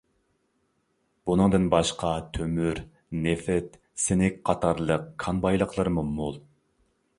بۇنىڭدىن باشقا تۆمۈر، نېفىت، سىنك قاتارلىق كان بايلىقلىرىمۇ مول.